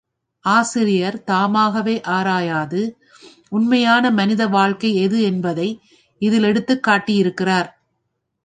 ஆசிரியர் தாமாகவே ஆராயாது, உண்மையான மனித வாழ்க்கை எது என்பதை இதில் எடுத்துக் காட்டியிருக்கிறார்.